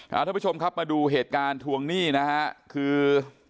หาทุกผู้ชมครับประดูกเหตุการณ์ทวงนี่นะคือ